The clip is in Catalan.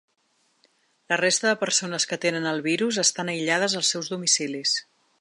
La resta de persones que tenen el virus estan aïllades als seus domicilis.